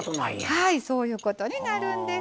そういうことになるんです。